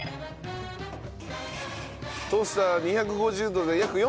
トースター２５０度で約４分。